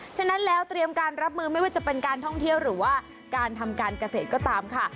ฉะนั้นแล้วเตรียมการรับมือไม่ว่าจะเป็นการท่องเที่ยวหรือว่าการทำการเกษตรก็ตามค่ะ